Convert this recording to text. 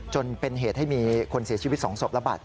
จนเป็นเหตุให้มีคนเสียชีวิต๒ศพระบัด